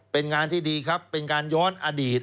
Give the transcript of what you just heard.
เป็นงานที่ดีครับเป็นการย้อนอดีต